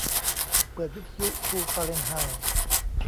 เปิดวิทยุคูลฟาเรนไฮต์